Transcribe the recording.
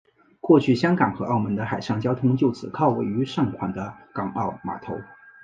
过去香港和澳门的海上交通就只靠位于上环的港澳码头。